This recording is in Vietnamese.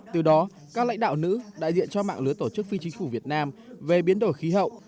từ đó các lãnh đạo nữ đại diện cho mạng lưới tổ chức phi chính phủ việt nam về biến đổi khí hậu